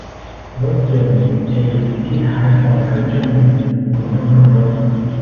รถยนต์จะหยุดที่ท้ายซอยครึ่งชั่วโมง คุณต้องขึ้นรถ